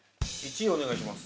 １位お願いします。